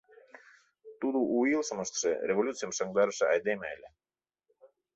Тудо у илышым ыштыше, революцийым шыҥдарыше айдеме ыле.